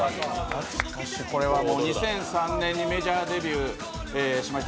これは２００３年にメジャーデビューしました